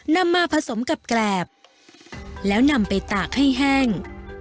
นำมาผสมกับแกรบแล้วนำไปตากให้แห้ง